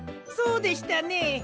そうでしたね。